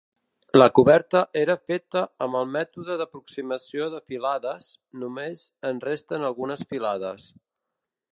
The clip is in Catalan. La coberta era feta amb el mètode d'aproximació de filades, només en resten algunes filades.